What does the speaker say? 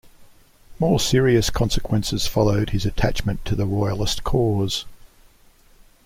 More serious consequences followed his attachment to the Royalist cause.